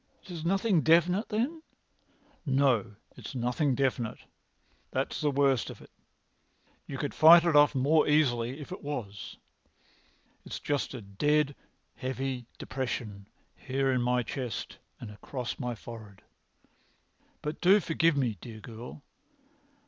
"It is nothing definite, then?" "No, it is nothing definite. That's the worst of it. You could fight it more easily if it was. It's just a dead, heavy depression here in my chest and across my forehead. But do forgive me, dear girl!